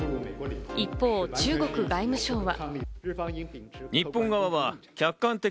一方、中国外務省は。